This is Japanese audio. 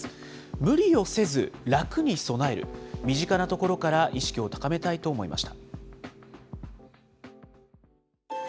無理をせず、身近なところから意識を高めたいと思いました。